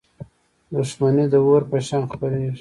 • دښمني د اور په شان خپرېږي.